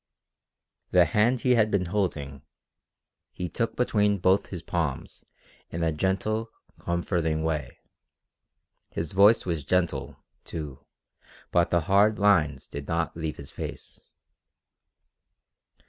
The hand he had been holding he took between both his palms in a gentle, comforting way. His voice was gentle, too, but the hard lines did not leave his face.